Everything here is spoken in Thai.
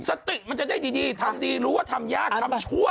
รู้ว่าทำยากทำชั่ว